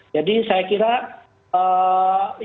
jadi saya kira itu cukup berkendali